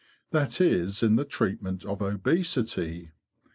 That is in the treatment of obesity.